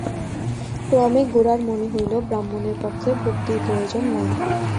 ক্রমে গোরার মনে হইল, ব্রাহ্মণের পক্ষে ভক্তির প্রয়োজন নাই।